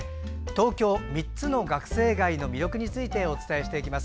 東京３つの学生街の魅力についてお伝えしていきます。